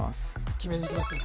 決めにいきますね